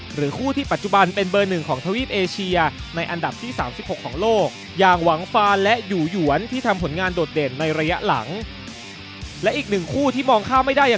หรือคู่ที่ปัจจุบันเป็นเบอร์๑ของทวีดเอเชียในอันดับที่๓๖ของโลก